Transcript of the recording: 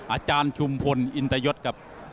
อาจารย์ชุมพลอินตยศครับ